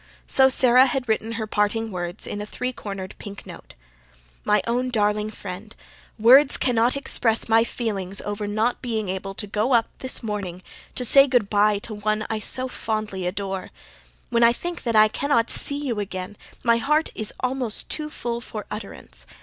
So Sara had written her parting words in a three cornered pink note. "My OWN DARLING FRIEND: WORDS CANNOT EXPRESS my feelings over not being able to go up this morning to say good bye to one I so FONDLY ADORE. When I think that I cannot SEE YOU AGAIN my heart is almost TOO FULL FOR UTTERANCE.